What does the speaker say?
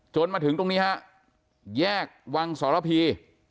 จนมาถึงตรงนี้แยกวังสรภีร์